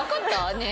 ねえ。